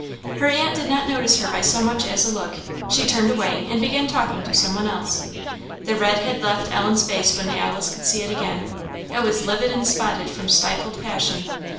Her aunt did not notice her by so much as a look; she turned away and began talking to some one else. The red had left Ellen's face when Alice could see it again it was livid and spotted from stifled passion.